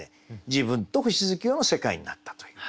自分と星月夜の世界になったという。